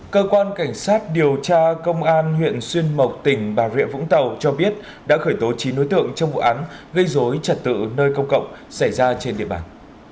cơ quan cảnh sát điều tra công an huyện xuyên mộc tỉnh bà rịa vũng tàu cho biết đã khởi tố chín nối tượng trong vụ án gây dối trật tự nơi công cộng xảy ra trên địa bàn